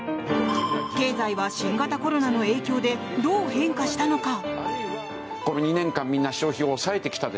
経済は新型コロナの影響でどう変化したのか。